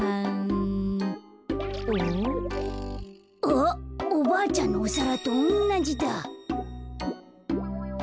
あっおばあちゃんのおさらとおんなじだ。